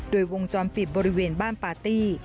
โดยวงจรปิดบริเวณบ้านปาร์ตี้